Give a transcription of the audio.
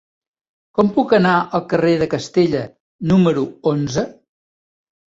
Com puc anar al carrer de Castella número onze?